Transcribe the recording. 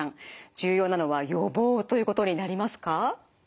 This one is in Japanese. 重要なのは予防ということになりますか？